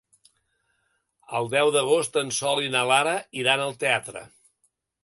El deu d'agost en Sol i na Lara iran al teatre.